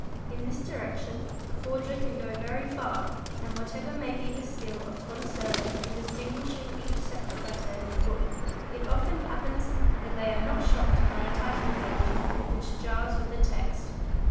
In this direction the forger can go very far and whatever may be the skill of connoisseurs in distinguishing each separate letter in the book it often happens that they are not shocked by a title page which jars with the text.